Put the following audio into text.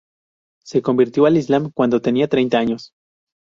Se convirtió al Islam cuando tenía treinta años.